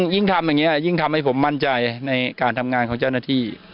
ยิ่งทำอย่างนี้ยิ่งทำให้ผมมั่นใจในการทำงานของเจ้าหน้าที่